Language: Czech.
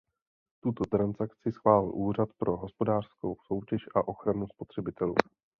Tuto transakci schválil Úřad pro hospodářskou soutěž a ochranu spotřebitelů.